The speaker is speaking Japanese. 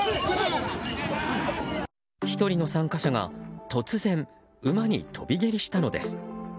１人の参加者が、突然馬に跳び蹴りしたのです。